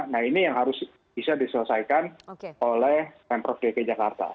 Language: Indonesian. nah ini yang harus bisa diselesaikan oleh pemprov dki jakarta